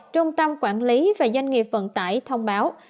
trung tâm quản lý và doanh nghiệp vận tải thông báo